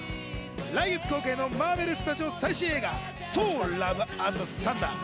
来月公開のマーベルスタジオ最新映画『ソー：ラブ＆サンダー』。